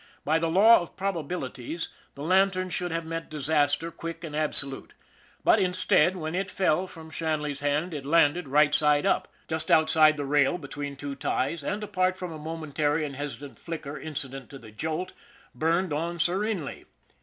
By the law of proba bilities the lantern should have met disaster quick and absolute ; but, instead, when it fell from Shanley 's hand, it landed right side up just outside the rail be n8 ON THE IRON AT BIG CLOUD tween two ties, and, apart from a momentary and hesi tant flicker incident to the jolt, burned on serenely.